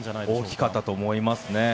大きかったと思いますね。